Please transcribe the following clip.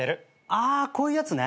あこういうやつね。